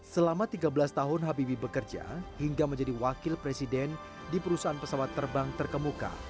selama tiga belas tahun habibie bekerja hingga menjadi wakil presiden di perusahaan pesawat terbang terkemuka